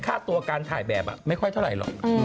ค่าตัวการถ่ายแบบไม่ค่อยเท่าไหร่หรอก